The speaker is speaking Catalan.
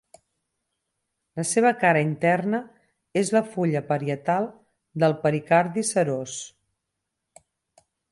La seva cara interna és la fulla parietal del pericardi serós.